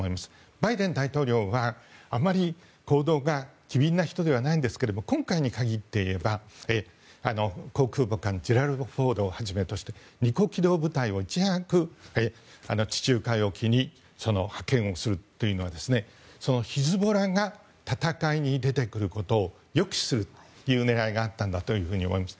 バイデン大統領はあまり行動が機敏な人ではないんですが今回に限って言えば航空母艦の「ジェラルド・フォード」をはじめとして、機動部隊をいち早く地中海沖に派遣するというのはヒズボラが戦いに出てくることを抑止するという狙いがあったんだと思います。